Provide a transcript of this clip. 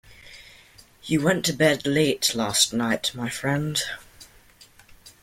You went to bed late last night, my friend.